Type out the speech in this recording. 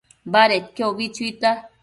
Badedquio ubi chuita